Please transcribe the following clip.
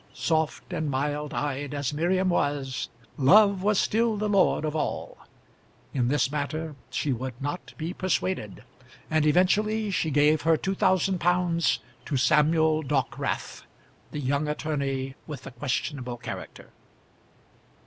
Soft and mild eyed as Miriam was, Love was still the lord of all. In this matter she would not be persuaded; and eventually she gave her two thousand pounds to Samuel Dockwrath, the young attorney with the questionable character.